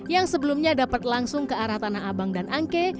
yang sebelumnya dapat langsung ke arah tanah abang dan angke